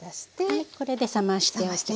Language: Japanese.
はいこれで冷ましておきます。